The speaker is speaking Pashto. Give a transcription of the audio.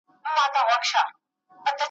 په ټولۍ کي به د زرکو واویلا وه `